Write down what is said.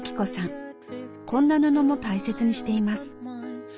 こんな布も大切にしています。